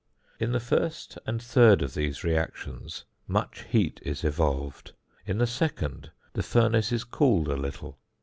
In the first and third of these reactions, much heat is evolved; in the second, the furnace is cooled a little.